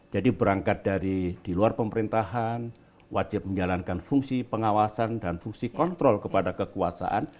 jadi berangkat dari di luar pemerintahan wajib menjalankan fungsi pengawasan dan fungsi kontrol kepada kekuasaan